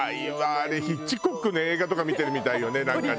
あれヒッチコックの映画とか見てるみたいよねなんかね。